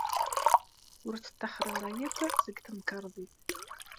Ur tettaxer ara akk seg temkarḍit.